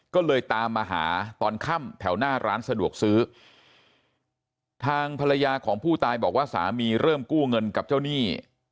ก็เลยตามมาหาตอนค่ำแถวหน้าร้านสะดวกซื้อทางภรรยาของผู้ตายบอกว่าสามีเริ่มกู้เงินกับเจ้าหนี้